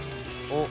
おっ。